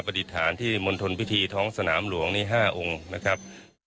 ปฏิฐานที่มณฑลพิธีท้องสนามหลวงนี้๕องค์นะครับ